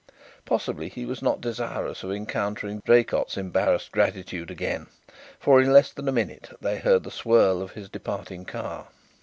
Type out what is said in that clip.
Possibly he was not desirous of encountering Draycott's embarrassed gratitude again, for in less than a minute they heard the swirl of his departing car.